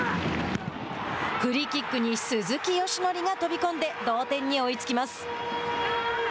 フリーキックに鈴木義宜が飛び込んで同点に追いつきます。